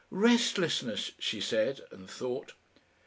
"Restlessness," she said, and thought.